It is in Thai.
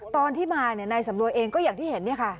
ตอนที่มาเนี่ยนายสำรวยเองก็อย่างที่เห็นเนี่ยค่ะ